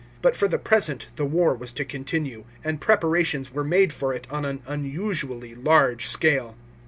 But for the present the war was to continue, and preparations were made for it on an unusually large scale.